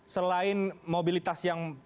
selain mobilitas yang